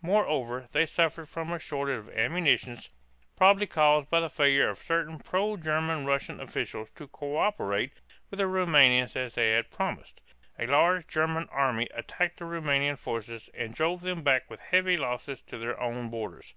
Moreover, they suffered from a shortage of ammunition, probably caused by the failure of certain pro German Russian officials to coöperate with the Roumanians as they had promised. A large German army attacked the Roumanian forces and drove them back with heavy losses to their own borders.